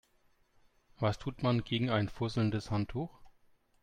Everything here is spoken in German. Was tut man gegen ein fusselndes Handtuch?